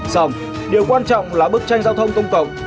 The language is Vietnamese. xong điều quan trọng là bức tranh giao thông công cộng